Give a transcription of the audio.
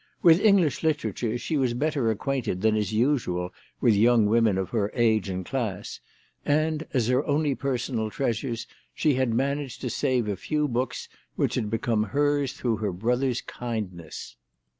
With English literature she was better acquainted than is usual with young women of her age and class ; and, as her only personal treasures, she had managed to save a few books which had become hers through her brother's kindness.